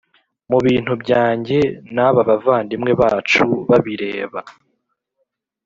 Mu Bintu Byanjye N Aba Bavandimwe Bacu Babireba